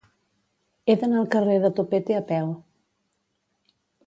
He d'anar al carrer de Topete a peu.